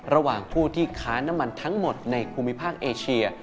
ระหว่างผู้ที่ค้าน้ำมันทั้งหมดในภูมิภาคเอเชีย